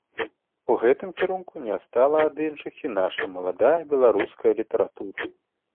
У гэтым кірунку не адстала ад іншых і наша маладая беларуская літаратура.